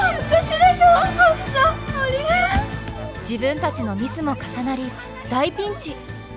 自分たちのミスも重なり大ピンチ！